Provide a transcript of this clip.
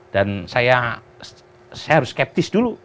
dan saya harus skeptis dulu